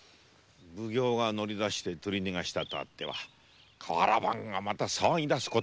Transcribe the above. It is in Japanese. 奉行が乗り出して取り逃がしたとあっては瓦版がまた騒ぎだすことであろうのう。